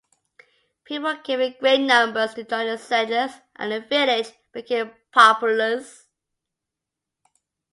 People came in great numbers to join the settlers, and the village became populous.